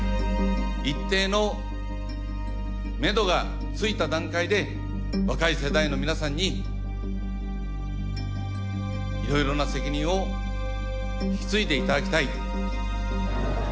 一定のめどがついた段階で若い世代の皆さんにいろいろな責任を引き継いで頂きたい。